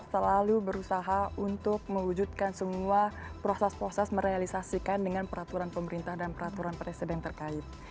selalu berusaha untuk mewujudkan semua proses proses merealisasikan dengan peraturan pemerintah dan peraturan presiden terkait